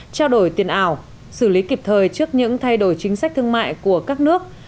trao đổi tiền ảo xử lý kịp thời trước những thay đổi chính sách thương mại của các nước